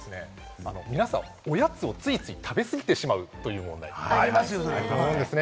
皆さん、おやつをついつい食べ過ぎてしまうという問題があると思います。